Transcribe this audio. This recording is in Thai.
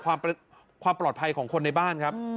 ความปลอดภัยของคนในบ้านครับ